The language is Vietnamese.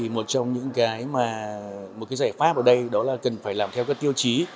một giải pháp ở đây là cần phải làm theo các tiêu chí